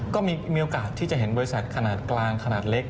ก็มีโอกาสที่จะเห็นบริษัทขนาดกลางขนาดเล็ก